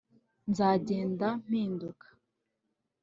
nzagenda mpinduka